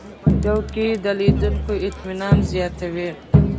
چوکۍ د لیدونکو اطمینان زیاتوي.